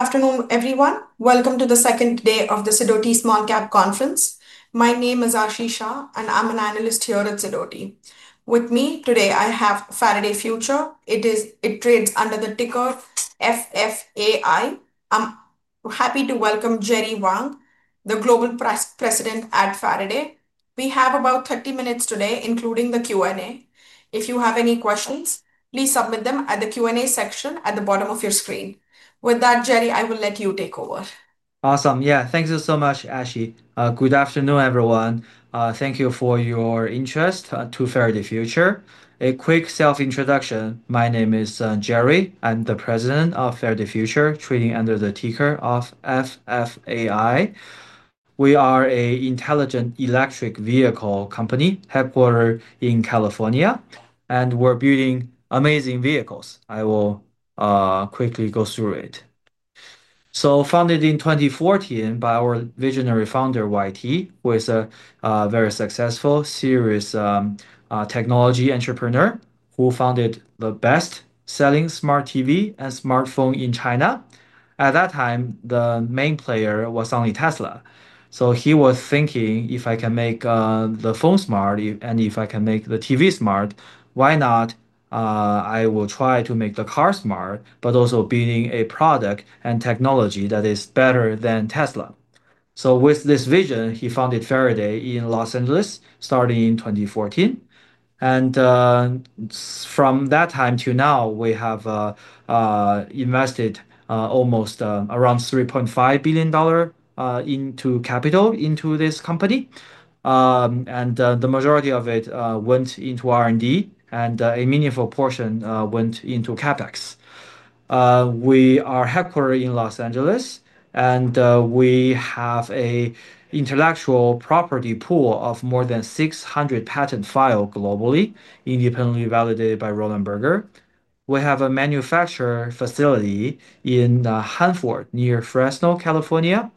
Afternoon, everyone. Welcome to the second day of the Sidotee Small Cap Conference. My name is Arfi Shah, and I'm an analyst here at Sidotee. With me today, I have Faraday Future Intelligent Electric Inc. It trades under the ticker FFIE. I'm happy to welcome Jerry Wang, the Global President at Faraday Future. We have about 30 minutes today, including the Q&A. If you have any questions, please submit them at the Q&A section at the bottom of your screen. With that, Jerry, I will let you take over. Awesome. Yeah, thank you so much, Arfi. Good afternoon, everyone. Thank you for your interest in Faraday Future. A quick self-introduction. My name is Jerry. I'm the President of Faraday Future, trading under the ticker FFIE. We are an intelligent electric vehicle company headquartered in California, and we're building amazing vehicles. I will quickly go through it. Founded in 2014 by our visionary founder, YT Jia, who is a very successful, serious technology entrepreneur who founded the best-selling smart TV and smartphone in China. At that time, the main player was only Tesla. He was thinking, "If I can make the phone smart, and if I can make the TV smart, why not try to make the car smart, but also build a product and technology that is better than Tesla?" With this vision, he founded Faraday Future in Los Angeles, starting in 2014. From that time to now, we have invested almost around $3.5 billion in capital into this company. The majority of it went into R&D, and a meaningful portion went into CapEx. We are headquartered in Los Angeles, and we have an intellectual property pool of more than 600 patent files globally, independently validated by Roland Berger. We have a manufacturing facility in Hanford, near Fresno, California,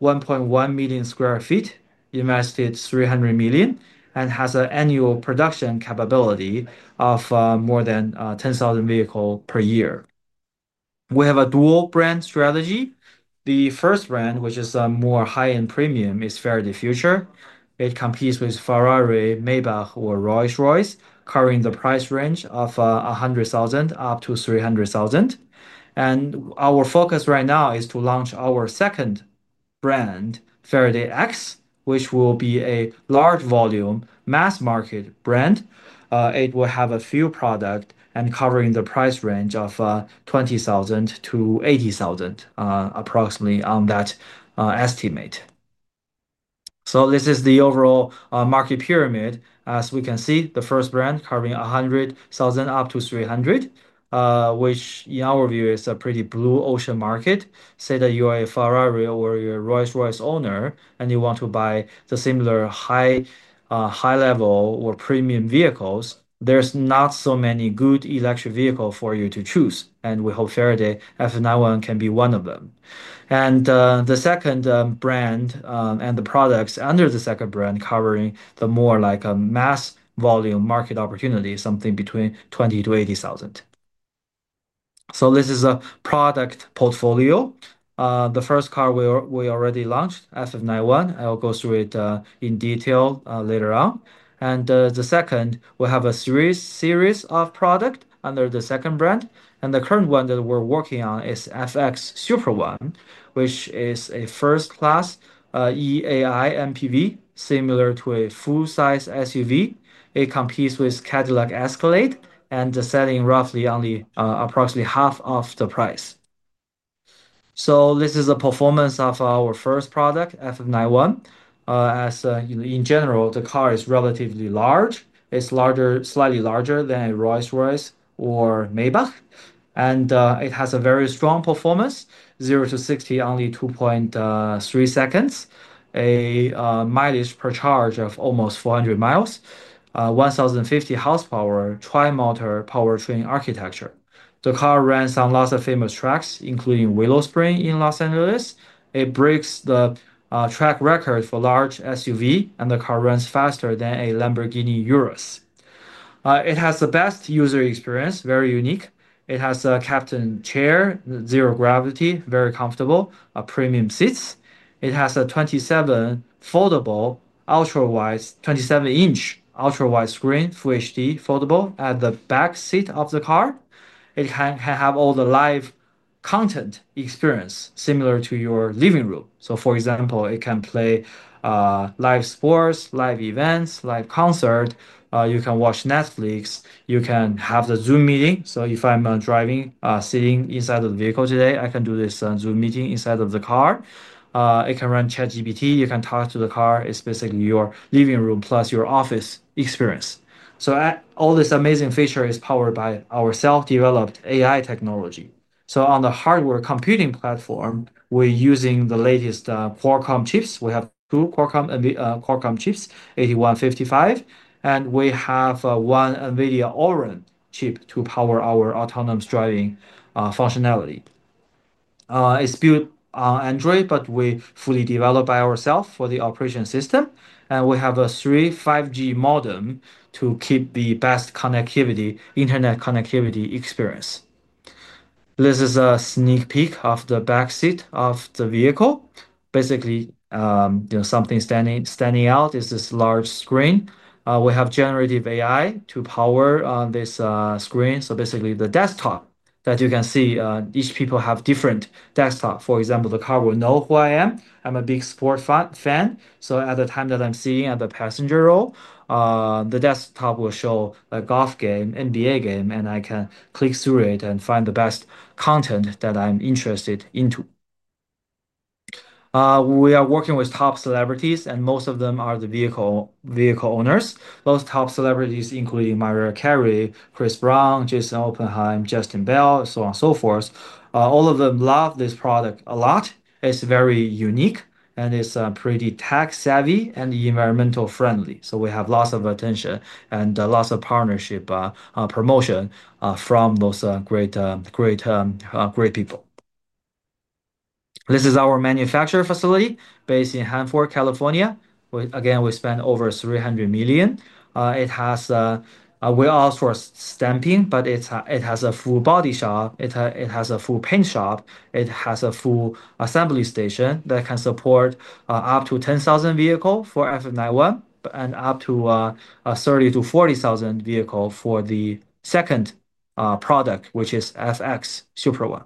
1.1 million square feet, invested $300 million, and it has an annual production capability of more than 10,000 vehicles per year. We have a dual-brand strategy. The first brand, which is more high-end premium, is Faraday Future. It competes with Ferrari, Maybach, or Rolls-Royce, covering the price range of $100,000 up to $300,000. Our focus right now is to launch our second brand, Faraday X, which will be a large volume, mass-market brand. It will have a few products and cover the price range of $20,000 to $80,000, approximately on that estimate. This is the overall market pyramid. As we can see, the first brand covers $100,000 up to $300,000, which, in our view, is a pretty blue ocean market. Say that you are a Ferrari or a Rolls-Royce owner, and you want to buy similar high-level or premium vehicles. There are not so many good electric vehicles for you to choose. We hope Faraday X can be one of them. The second brand and the products under the second brand cover more like a mass-volume market opportunity, something between $20,000 to $80,000. This is a product portfolio. The first car we already launched, FF 91. I'll go through it in detail later on. We have a series of products under the second brand. The current one that we're working on is FX Super One, which is a first-class EAI MPV, similar to a full-size SUV. It competes with Cadillac Escalade and is selling at roughly only approximately half of the price. This is the performance of our first product, FF 91. In general, the car is relatively large. It's slightly larger than a Rolls-Royce or Maybach, and it has a very strong performance: 0 to 60 in only 2.3 seconds, a mileage per charge of almost 400 miles, 1,050 horsepower, tri-motor powertrain architecture. The car runs on lots of famous tracks, including Willow Spring in Los Angeles. It breaks the track record for large SUVs, and the car runs faster than a Lamborghini Urus. It has the best user experience, very unique. It has a captain chair, zero gravity, very comfortable, premium seats. It has a 27-inch ultra-wide screen, Full HD, foldable at the back seat of the car. It can have all the live content experience, similar to your living room. For example, it can play live sports, live events, live concerts. You can watch Netflix. You can have the Zoom meeting. If I'm driving, sitting inside of the vehicle today, I can do this Zoom meeting inside of the car. It can run ChatGPT. You can talk to the car. It's basically your living room plus your office experience. All this amazing feature is powered by our self-developed AI technology. On the hardware computing platform, we're using the latest Qualcomm chips. We have two Qualcomm chips, 8155, and we have one NVIDIA Orin chip to power our autonomous driving functionality. It's built on Android, but we fully developed by ourselves for the operation system. We have three 5G modems to keep the best internet connectivity experience. This is a sneak peek of the back seat of the vehicle. Something standing out is this large screen. We have generative AI to power this screen. The desktop that you can see, each people have different desktops. For example, the car will know who I am. I'm a big sports fan. At the time that I'm sitting at the passenger row, the desktop will show a golf game, NBA game, and I can click through it and find the best content that I'm interested in. We are working with top celebrities, and most of them are the vehicle owners. Those top celebrities include Mariah Carey, Chris Brown, Jason Oppenheimer, Justin Bell, and so on and so forth. All of them love this product a lot. It's very unique, and it's pretty tech-savvy and environmentally friendly. We have lots of attention and lots of partnership promotion from those great, great, great people. This is our manufacturing facility based in Hanford, California. We spent over $300 million. It has wheels for stamping, but it has a full body shop. It has a full paint shop. It has a full assembly station that can support up to 10,000 vehicles for FF 91 and up to 30,000 to 40,000 vehicles for the second product, which is FX Super One.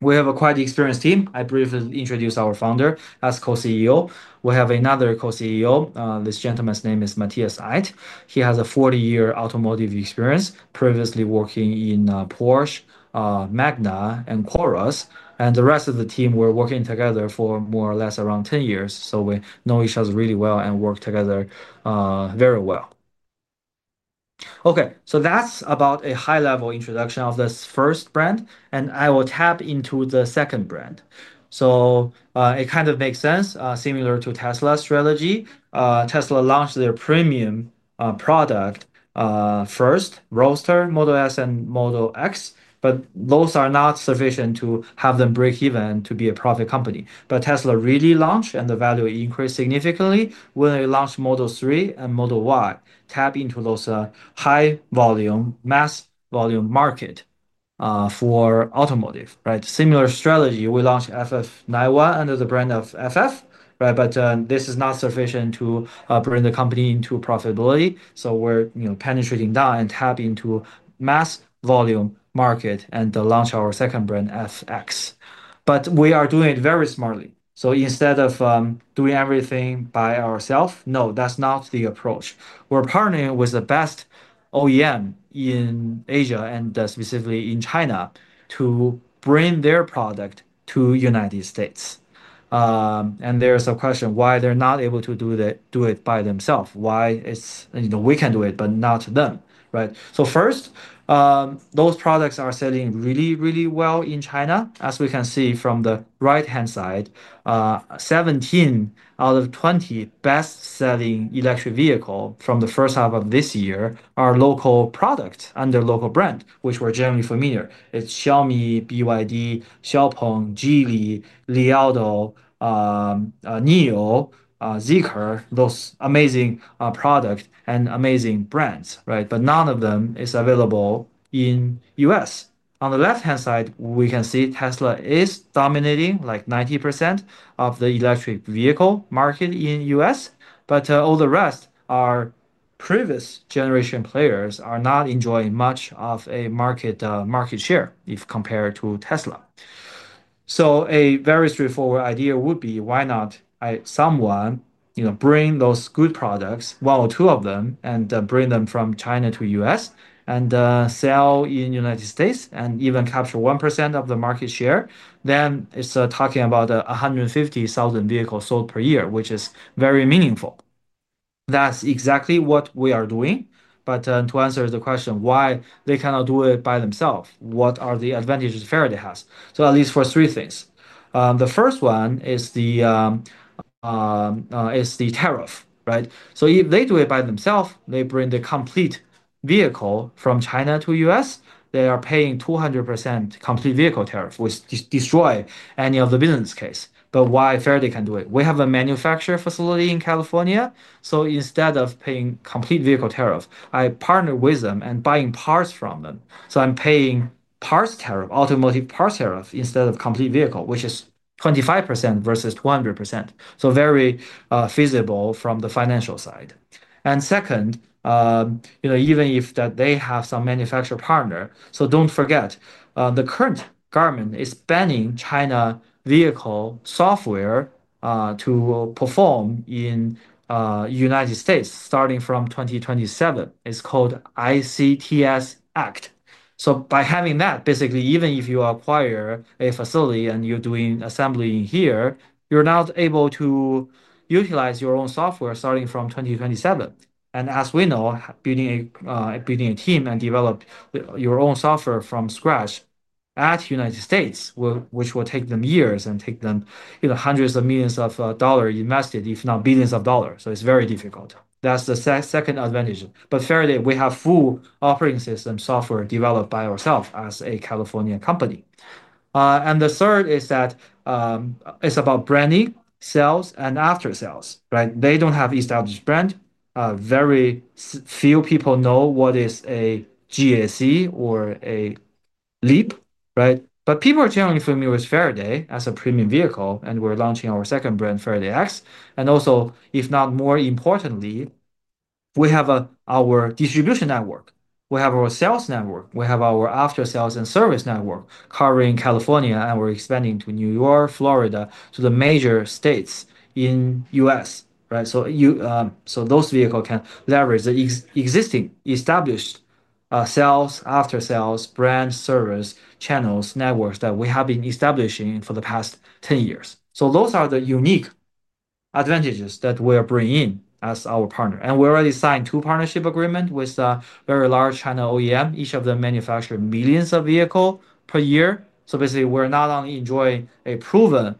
We have a quite experienced team. I briefly introduced our founder as Co-CEO. We have another Co-CEO. This gentleman's name is Matthias Aydt. He has a 40-year automotive experience, previously working in Porsche, Magna, and Quorus. The rest of the team, we're working together for more or less around 10 years. We know each other really well and work together very well. That's about a high-level introduction of this first brand. I will tap into the second brand. It kind of makes sense, similar to Tesla's strategy. Tesla launched their premium product first, Roadster, Model S, and Model X. Those are not sufficient to have them break even to be a profit company. Tesla really launched, and the value increased significantly when they launched Model 3 and Model Y, tapping into those high-volume, mass-volume markets for automotive. Right? Similar strategy, we launched FF 91 under the brand of FF. This is not sufficient to bring the company into profitability. We're penetrating down and tapping into mass-volume markets and launching our second brand, FX. We are doing it very smartly. Instead of doing everything by ourselves, that's not the approach. We're partnering with the best OEM in Asia, and specifically in China, to bring their product to the United States. There's a question, why they're not able to do it by themselves? Why it's, you know, we can do it, but not them? Right? First, those products are selling really, really well in China. As we can see from the right-hand side, 17 out of 20 best-selling electric vehicles from the first half of this year are local products under local brands, which we're generally familiar with. It's Xiaomi, BYD, Xiaopeng, Geely, Li Auto, Nio, Zeekr, those amazing products and amazing brands. None of them are available in the U.S. On the left-hand side, we can see Tesla is dominating like 90% of the electric vehicle market in the U.S. All the rest, our previous generation players, are not enjoying much of a market share if compared to Tesla. A very straightforward idea would be, why not someone bring those good products, one or two of them, and bring them from China to the U.S. and sell in the United States and even capture 1% of the market share? It's talking about 150,000 vehicles sold per year, which is very meaningful. That's exactly what we are doing. To answer the question, why they cannot do it by themselves, what are the advantages Faraday Future Intelligent Electric Inc. has? At least for three things. The first one is the tariff. If they do it by themselves, they bring the complete vehicle from China to the U.S. They are paying 200% complete vehicle tariff, which destroys any of the business case. Why can Faraday Future Intelligent Electric Inc. do it? We have a manufacturing facility in California. Instead of paying complete vehicle tariff, I partner with them and buy parts from them. I'm paying parts tariff, automotive parts tariff, instead of complete vehicle, which is 25% versus 200%. Very feasible from the financial side. Second, even if they have some manufacturing partners, don't forget, the current government is banning China vehicle software to perform in the United States, starting from 2027. It's called the ICTS Act. By having that, basically, even if you acquire a facility and you're doing assembly in here, you're not able to utilize your own software starting from 2027. As we know, building a team and developing your own software from scratch in the United States will take them years and take them, you know, hundreds of millions of dollars invested, if not billions of dollars. It's very difficult. That's the second advantage. Faraday Future Intelligent Electric Inc., we have full operating system software developed by ourselves as a California company. The third is that it's about branding, sales, and after sales. They don't have an established brand. Very few people know what is a GAC or a LEAP. People are generally familiar with Faraday Future Intelligent Electric Inc. as a premium vehicle, and we're launching our second brand, Faraday X. Also, if not more importantly, we have our distribution network. We have our sales network. We have our after-sales and service network covering California, and we're expanding to New York, Florida, to the major states in the U.S. Those vehicles can leverage the existing established sales, after-sales, brands, service, channels, networks that we have been establishing for the past 10 years. Those are the unique advantages that we are bringing in as our partner. We already signed two partnership agreements with a very large China OEM. Each of them manufactures millions of vehicles per year. Basically, we're not only enjoying a proven,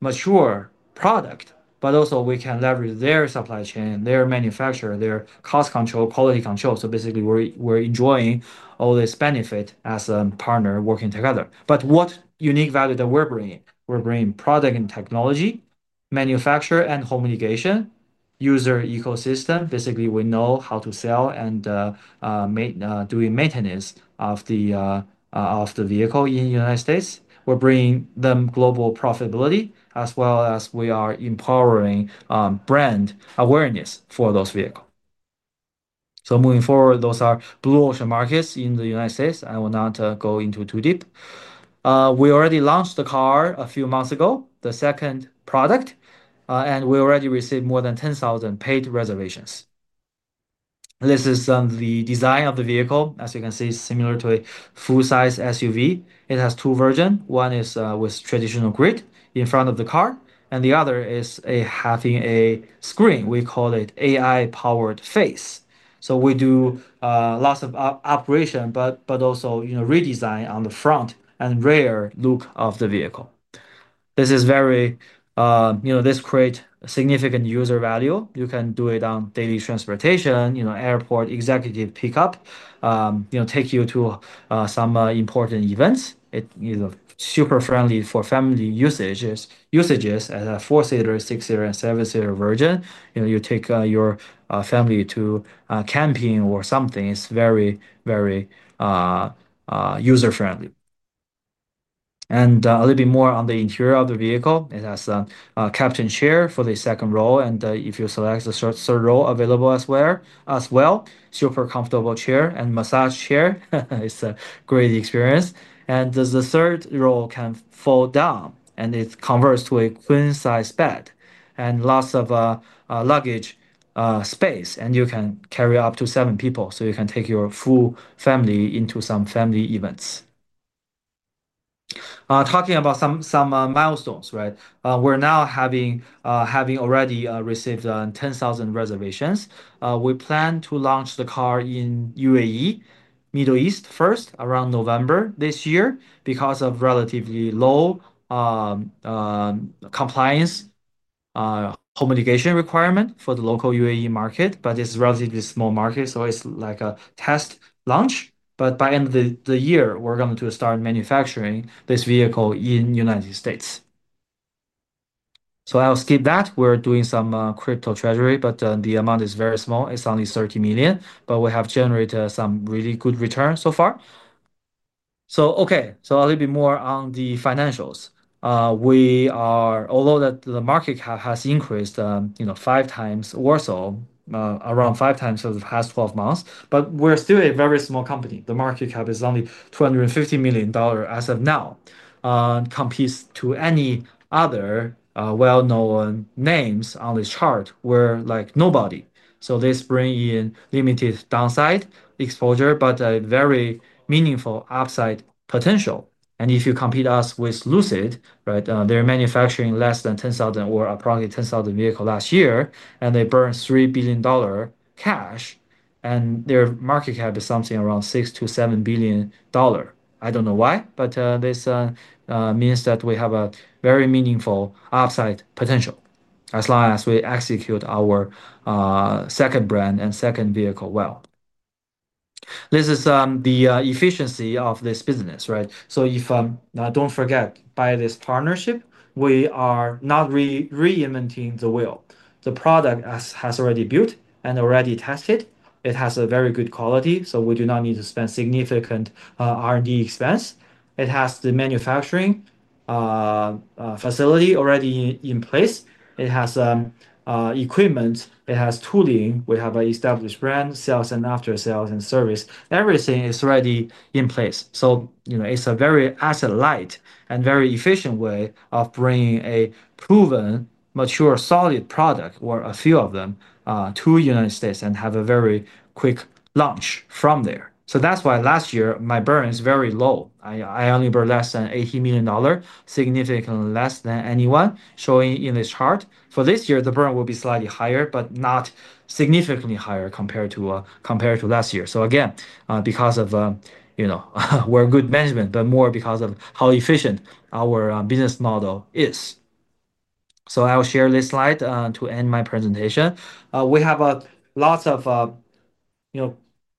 mature product, but also we can leverage their supply chain, their manufacturer, their cost control, quality control. Basically, we're enjoying all this benefit as a partner working together. What unique value are we bringing? We're bringing product and technology, manufacturer and home mitigation, user ecosystem. Basically, we know how to sell and do maintenance of the vehicle in the United States. We're bringing them global profitability, as well as we are empowering brand awareness for those vehicles. Moving forward, those are blue ocean markets in the United States. I will not go into too deep. We already launched the car a few months ago, the second product. We already received more than 10,000 paid reservations. This is the design of the vehicle. As you can see, it's similar to a full-size SUV. It has two versions. One is with traditional grid in front of the car, and the other is having a screen. We call it AI-powered face. We do lots of operation, but also redesign on the front and rear look of the vehicle. This creates significant user value. You can do it on daily transportation, airport, executive pickup, take you to some important events. It is super friendly for family usages as a four-seater, six-seater, and seven-seater version. You take your family to a camping or something. It's very, very user-friendly. A little bit more on the interior of the vehicle. It has a captain chair for the second row. If you select the third row, available as well. Super comfortable chair and massage chair. It's a great experience. The third row can fold down, and it converts to a queen-size bed and lots of luggage space. You can carry up to seven people, so you can take your full family into some family events. Talking about some milestones, right? We're now having already received 10,000 reservations. We plan to launch the car in the UAE, Middle East, first around November this year because of relatively low compliance, home mitigation requirements for the local UAE market. It's a relatively small market, so it's like a test launch. By the end of the year, we're going to start manufacturing this vehicle in the United States. We're doing some crypto treasury, but the amount is very small. It's only $30 million. We have generated some really good returns so far. A little bit more on the financials. Although the market cap has increased five times or so, around five times over the past 12 months, we're still a very small company. The market cap is only $250 million as of now. Compared to any other well-known names on this chart, we're like nobody. This brings in limited downside exposure, but a very meaningful upside potential. If you compare us with Lucid, they're manufacturing less than 10,000 or approximately 10,000 vehicles last year, and they burn $3 billion cash. Their market cap is something around $6 to $7 billion. I don't know why, but this means that we have a very meaningful upside potential as long as we execute our second brand and second vehicle well. This is the efficiency of this business, right? By this partnership, we are not reinventing the wheel. The product has already been built and already tested. It has a very good quality, so we do not need to spend significant R&D expense. It has the manufacturing facility already in place. It has equipment. It has tooling. We have an established brand, sales, and after sales, and service. Everything is already in place. It's a very asset-light and very efficient way of bringing a proven, mature, solid product, or a few of them, to the United States and have a very quick launch from there. That's why last year, my burn is very low. I only burned less than $80 million, significantly less than anyone showing in this chart. For this year, the burn will be slightly higher, but not significantly higher compared to last year. Because of, you know, we're good management, but more because of how efficient our business model is. I'll share this slide to end my presentation. We have lots of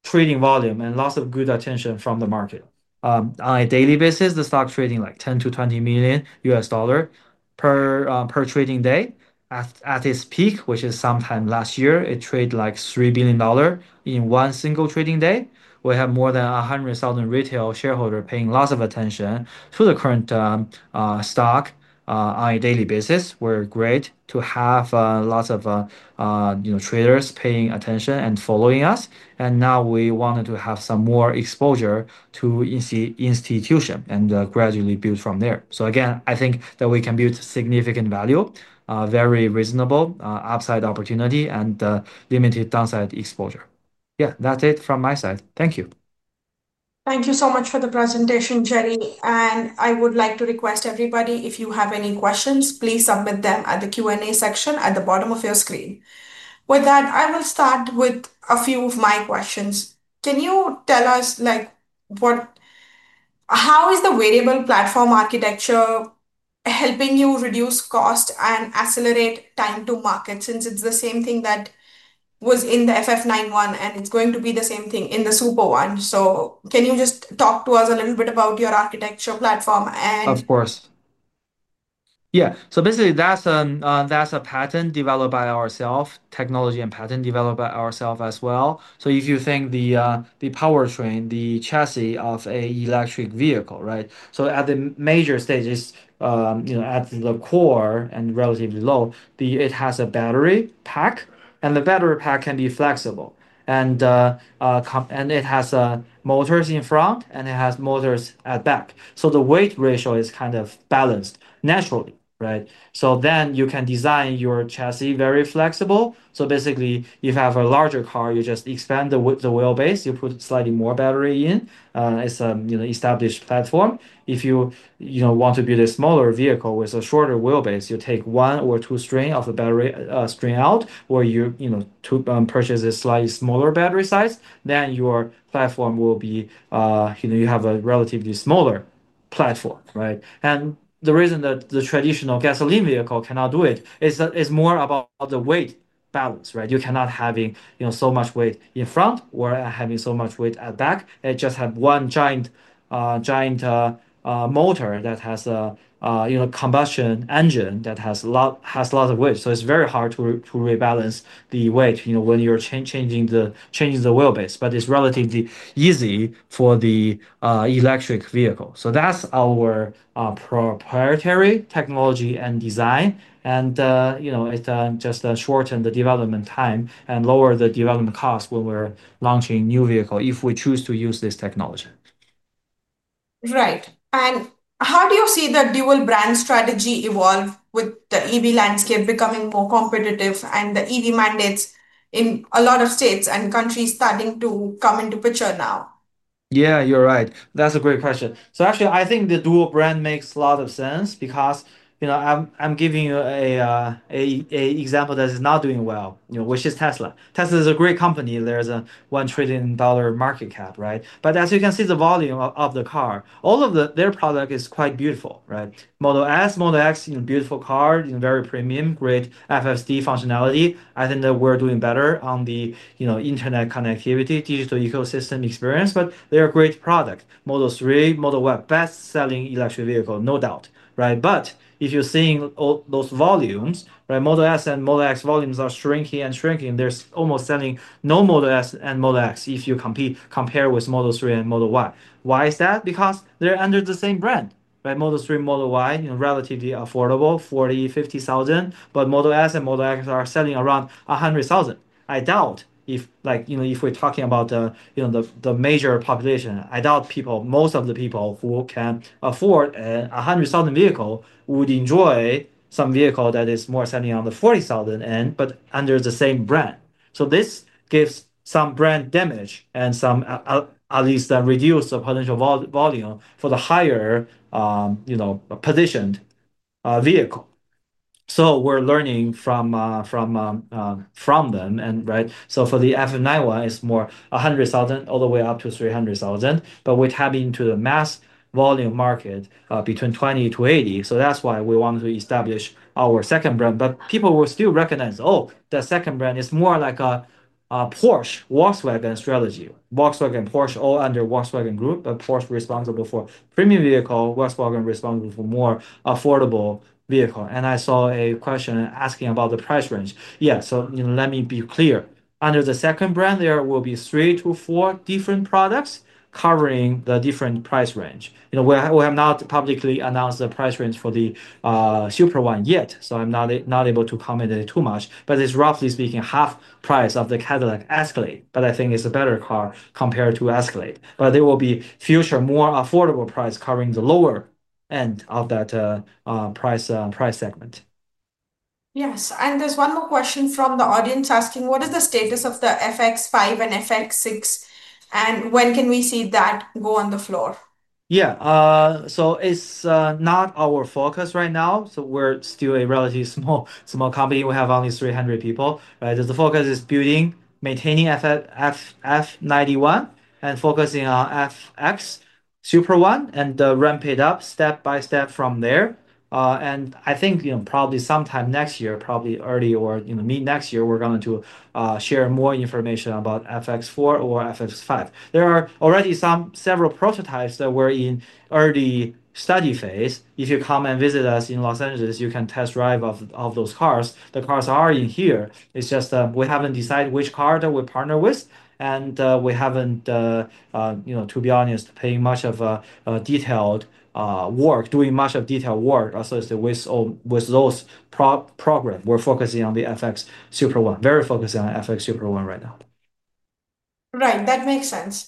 trading volume and lots of good attention from the market. On a daily basis, the stock is trading like $10 to $20 million US dollars per trading day. At its peak, which is sometime last year, it traded like $3 billion in one single trading day. We have more than 100,000 retail shareholders paying lots of attention to the current stock on a daily basis. We're great to have lots of traders paying attention and following us. Now we wanted to have some more exposure to institutions and gradually build from there. I think that we can build significant value, very reasonable upside opportunity, and limited downside exposure. Yeah, that's it from my side. Thank you. Thank you so much for the presentation, Jerry. I would like to request everybody, if you have any questions, please submit them at the Q&A section at the bottom of your screen. With that, I will start with a few of my questions. Can you tell us, like, how is the wearable platform architecture helping you reduce cost and accelerate time to market, since it's the same thing that was in the FF 91 and it's going to be the same thing in the FX Super One? Can you just talk to us a little bit about your architecture platform? Of course. Yeah, so basically, that's a patent developed by ourselves, technology and patent developed by ourselves as well. If you think the powertrain, the chassis of an electric vehicle, right? At the major stages, at the core and relatively low, it has a battery pack. The battery pack can be flexible, and it has motors in front, and it has motors at back. The weight ratio is kind of balanced naturally, right? You can design your chassis very flexible. Basically, if you have a larger car, you just expand the wheelbase. You put slightly more battery in. It's an established platform. If you want to build a smaller vehicle with a shorter wheelbase, you take one or two strings of a battery string out, or you purchase a slightly smaller battery size. Then your platform will be, you know, you have a relatively smaller platform, right? The reason that the traditional gasoline vehicle cannot do it is that it's more about the weight balance, right? You cannot have so much weight in front or having so much weight at back. It just has one giant motor that has a combustion engine that has a lot of weight. It's very hard to rebalance the weight, you know, when you're changing the wheelbase. It's relatively easy for the electric vehicle. That's our proprietary technology and design. It just shortens the development time and lowers the development cost when we're launching new vehicles if we choose to use this technology. Right. How do you see the dual-brand strategy evolve with the EV landscape becoming more competitive and the EV mandates in a lot of states and countries starting to come into picture now? Yeah, you're right. That's a great question. Actually, I think the dual brand makes a lot of sense because, you know, I'm giving you an example that is not doing well, you know, which is Tesla. Tesla is a great company. There's a $1 trillion market cap, right? As you can see, the volume of the car, all of their product is quite beautiful, right? Model S, Model X, beautiful car, very premium, great FSD functionality. I think that we're doing better on the internet connectivity, digital ecosystem experience. They are great products. Model 3, Model Y, best-selling electric vehicle, no doubt, right? If you're seeing those volumes, right, Model S and Model X volumes are shrinking and shrinking. They're almost selling no Model S and Model X if you compare with Model 3 and Model Y. Why is that? Because they're under the same brand, right? Model 3, Model Y, relatively affordable, $40,000, $50,000. Model S and Model X are selling around $100,000. I doubt if, like, you know, if we're talking about, you know, the major population, I doubt people, most of the people who can afford a $100,000 vehicle would enjoy some vehicle that is more selling on the $40,000 end, but under the same brand. This gives some brand damage and some, at least, reduced potential volume for the higher, you know, positioned vehicle. We're learning from them. For the FF 91, it's more $100,000 all the way up to $300,000. We're tapping into the mass volume market between $20,000 to $80,000. That's why we wanted to establish our second brand. People will still recognize, oh, that second brand is more like a Porsche, Volkswagen strategy. Volkswagen, Porsche, all under Volkswagen Group. Porsche is responsible for premium vehicles. Volkswagen is responsible for more affordable vehicles. I saw a question asking about the price range. Yes, so let me be clear. Under the second brand, there will be three to four different products covering the different price range. We have not publicly announced the price range for the FX Super One yet. I'm not able to comment too much. It's, roughly speaking, half price of the Cadillac Escalade. I think it's a better car compared to Escalade. There will be future more affordable prices covering the lower end of that price segment. Yes. There's one more question from the audience asking, what is the status of the FX Super One and when can we see that go on the floor? Yeah, it's not our focus right now. We're still a relatively small company. We have only 300 people. The focus is building, maintaining FF 91, and focusing on FX Super One and ramp it up step by step from there. I think, you know, probably sometime next year, probably early or mid next year, we're going to share more information about FX4 or FX5. There are already several prototypes that were in early study phase. If you come and visit us in Los Angeles, you can test drive those cars. The cars are already in here. It's just that we haven't decided which car that we partner with. We haven't, you know, to be honest, paid much of a detailed work, doing much of detailed work associated with those programs. We're focusing on the FX Super One, very focused on FX Super One right now. Right, that makes sense.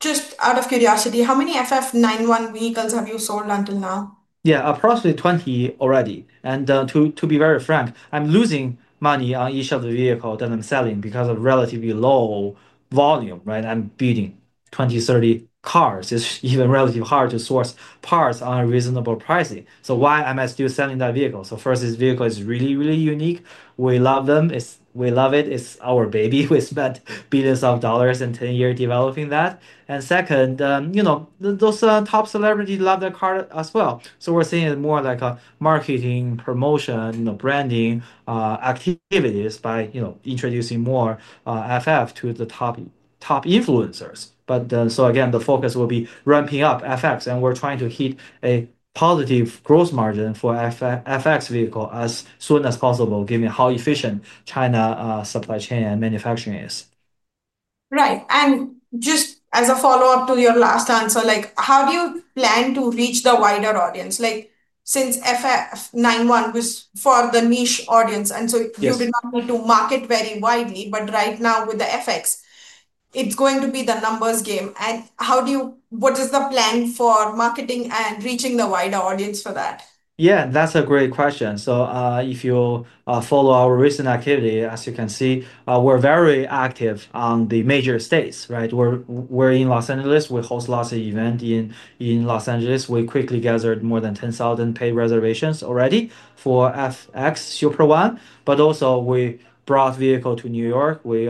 Just out of curiosity, how many FF 91 vehicles have you sold until now? Yeah, approximately 20 already. To be very frank, I'm losing money on each of the vehicles that I'm selling because of relatively low volume, right? I'm building 20, 30 cars. It's even relatively hard to source parts at reasonable pricing. Why am I still selling that vehicle? First, this vehicle is really, really unique. We love them. We love it. It's our baby. We spent billions of dollars and 10 years developing that. Second, those top celebrities love their cars as well. We're seeing it more like marketing, promotion, branding activities by introducing more FF to the top influencers. The focus will be ramping up FX. We're trying to hit a positive gross margin for FX vehicles as soon as possible, given how efficient China's supply chain and manufacturing is. Right. Just as a follow-up to your last answer, how do you plan to reach the wider audience? Since FF 91 was for the niche audience, you did not want to market very widely. Right now, with the FX, it is going to be the numbers game. What is the plan for marketing and reaching the wider audience for that? Yeah, that's a great question. If you follow our recent activity, as you can see, we're very active on the major states, right? We're in Los Angeles. We host lots of events in Los Angeles. We quickly gathered more than 10,000 paid reservations already for FX Super One. We brought vehicles to New York. We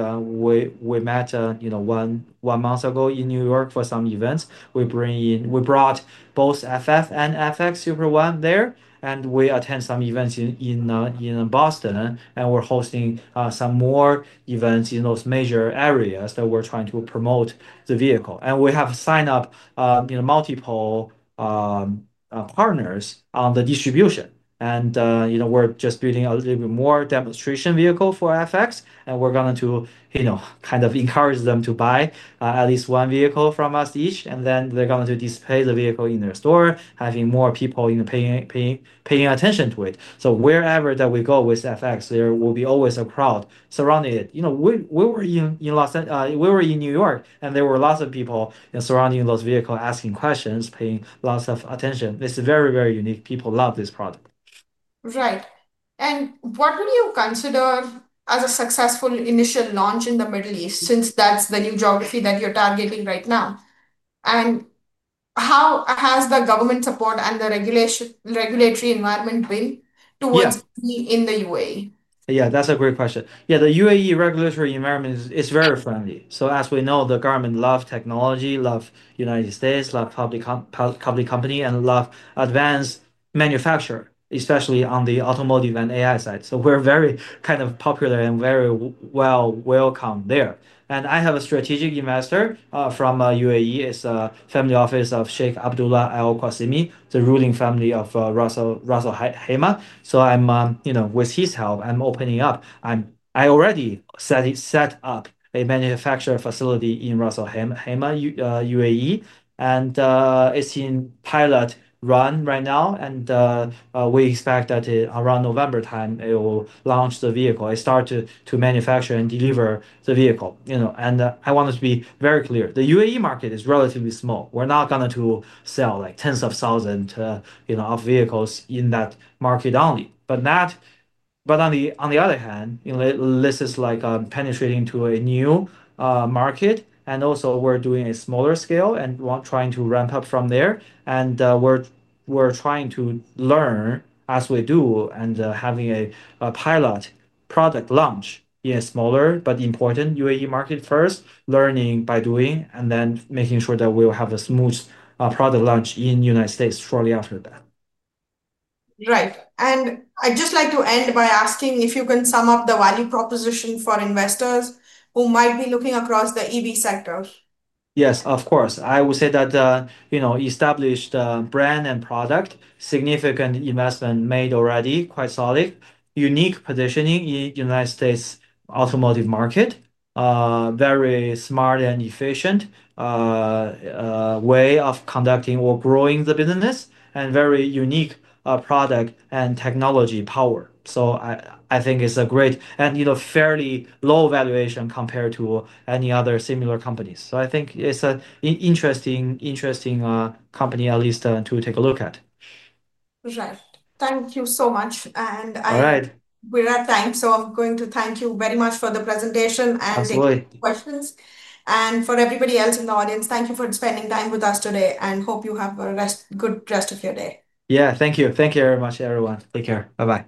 met, you know, one month ago in New York for some events. We brought both FF 91 and FX Super One there. We attend some events in Boston. We're hosting some more events in those major areas that we're trying to promote the vehicle. We have signed up, you know, multiple partners on the distribution. We're just building a little bit more demonstration vehicles for FX Super One. We're going to, you know, kind of encourage them to buy at least one vehicle from us each. They're going to display the vehicle in their store, having more people, you know, paying attention to it. Wherever we go with FX Super One, there will always be a crowd surrounding it. We were in New York, and there were lots of people surrounding those vehicles asking questions, paying lots of attention. It's very, very unique. People love this product. Right. What would you consider as a successful initial launch in the Middle East, since that's the new geography that you're targeting right now? How has the government support and the regulatory environment been towards the in the UAE? Yeah, that's a great question. The UAE regulatory environment is very friendly. As we know, the government loves technology, loves the United States, loves public companies, and loves advanced manufacturing, especially on the automotive and AI side. We're very kind of popular and very well welcomed there. I have a strategic investor from the UAE. It's the family office of Sheikh Abdullah Al-Qasimi, the ruling family of Ras Al Khaimah. With his help, I'm opening up. I already set up a manufacturing facility in Ras Al Khaimah, UAE, and it's in pilot run right now. We expect that around November, it will launch the vehicle. It starts to manufacture and deliver the vehicle. I wanted to be very clear. The UAE market is relatively small. We're not going to sell like tens of thousands of vehicles in that market only. On the other hand, this is like penetrating a new market. We're doing a smaller scale and trying to ramp up from there. We're trying to learn as we do and having a pilot product launch in a smaller but important UAE market first, learning by doing, and then making sure that we'll have a smooth product launch in the United States shortly after that. Right. I'd just like to end by asking if you can sum up the value proposition for investors who might be looking across the EV sector. Yes, of course. I would say that, you know, established brand and product, significant investment made already, quite solid, unique positioning in the United States automotive market, very smart and efficient way of conducting or growing the business, and very unique product and technology power. I think it's a great and, you know, fairly low valuation compared to any other similar company. I think it's an interesting company, at least, to take a look at. Right. Thank you so much. I'm very thankful. Thank you very much for the presentation and the questions. For everybody else in the audience, thank you for spending time with us today. Hope you have a good rest of your day. Thank you. Thank you very much, everyone. Take care. Bye-bye.